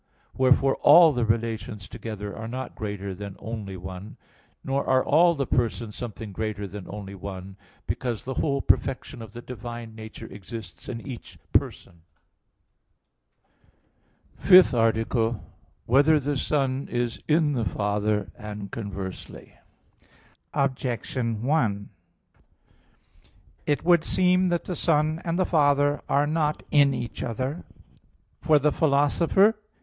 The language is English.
30, A. 4). Wherefore all the relations together are not greater than only one; nor are all the persons something greater than only one; because the whole perfection of the divine nature exists in each person. _______________________ FIFTH ARTICLE [I, Q. 42, Art. 5] Whether the Son Is in the Father, and Conversely? Objection 1: It would seem that the Son and the Father are not in each other. For the Philosopher (Phys.